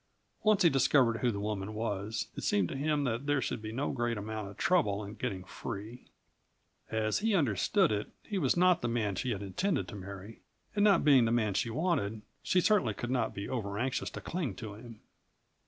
Once he discovered who the woman was, it seemed to him that there should be no great amount of trouble in getting free. As he understood it, he was not the man she had intended to marry; and not being the man she wanted, she certainly could not be over anxious to cling to him.